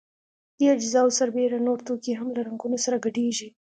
دې اجزاوو سربېره نور توکي هم له رنګونو سره ګډیږي.